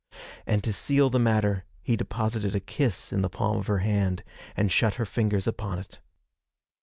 And to seal the matter he deposited a kiss in the palm of her hand, and shut her fingers upon it.